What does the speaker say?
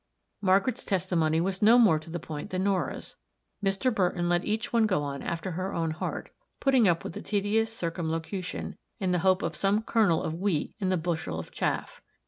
Margaret's testimony was no more to the point than Norah's. Mr. Burton let each one go on after her own heart, putting up with the tedious circumlocution, in the hope of some kernel of wheat in the bushel of chaff.